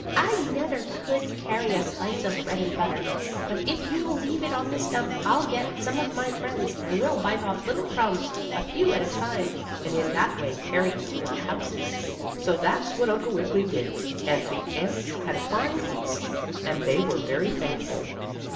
"I never could carry a slice of bread and butter. But if you will leave it on the stump I'll get some of my friends, and we'll bite off little crumbs, a few at a time, and in that way carry it to our houses." So that's what Uncle Wiggily did, and the ants had a fine feast, and they were very thankful.